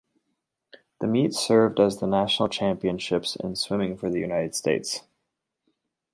The meet served as the national championships in swimming for the United States.